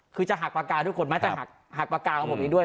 คือจะหักปากกาทุกคนแม้จะหักปากกาของผมเองด้วย